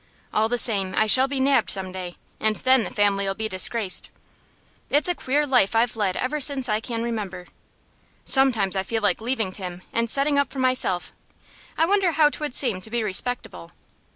All the same, I shall be nabbed some day, and then the family'll be disgraced. It's a queer life I've led ever since I can remember. Sometimes I feel like leaving Tim, and settin' up for myself. I wonder how 'twould seem to be respectable."